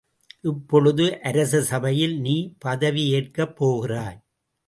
இப்பொழுது, அரச சபையில் நீ பதவியேற்கப் போகிறாய்.